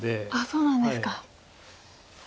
そうなんですか。